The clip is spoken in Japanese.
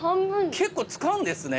結構使うんですね。